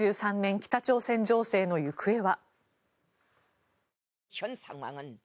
北朝鮮情勢の行方は。